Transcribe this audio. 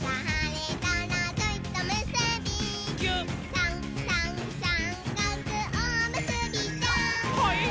「さんさんさんかくおむすびちゃん」はいっ！